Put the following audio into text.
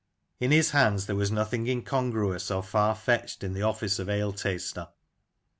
In his hands there was nothing incongruous or far fetched in the office of ale taster.